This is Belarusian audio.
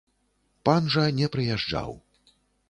Пан жа не прыязджаў.